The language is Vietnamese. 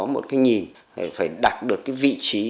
một cái nhìn phải đặt được cái vị trí